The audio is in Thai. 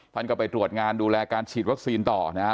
ท่านก็ไปตรวจงานดูแลการฉีดวัคซีนต่อนะฮะ